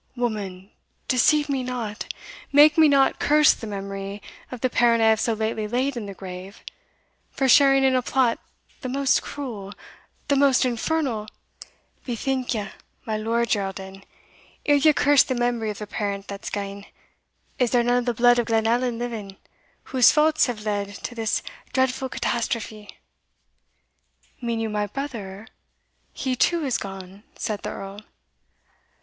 "Woman, deceive me not! make me not curse the memory of the parent I have so lately laid in the grave, for sharing in a plot the most cruel, the most infernal" "Bethink ye, my Lord Geraldin, ere ye curse the memory of a parent that's gane, is there none of the blood of Glenallan living, whose faults have led to this dreadfu' catastrophe?" "Mean you my brother? he, too, is gone," said the Earl.